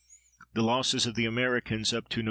The losses of the Americans up to Nov.